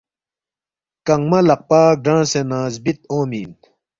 کنگمہ لقپہ گرانگسے نہ زبید اونگمی اِن